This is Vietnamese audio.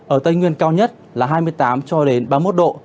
ở tây nguyên cao nhất là hai mươi tám cho đến ba mươi một độ